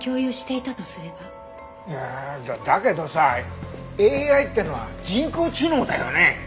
いやだけどさＡＩってのは人工知能だよね？